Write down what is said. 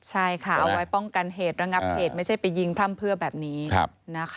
ใช่ค่ะเอาไว้ป้องกันเหตุระงับเหตุไม่ใช่ไปยิงพร่ำเพื่อแบบนี้นะคะ